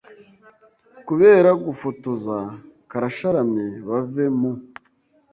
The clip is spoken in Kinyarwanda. kubera gufotoza karasharamye bave mu